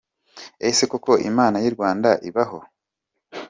Ese koko Imana y’I Rwanda ibaho ?